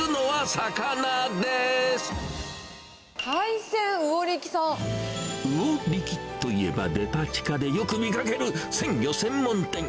魚力といえば、デパ地下でよく見かける鮮魚専門店。